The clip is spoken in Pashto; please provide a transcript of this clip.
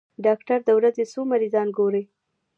ډاکټر د ورځې څو مريضان ګوري؟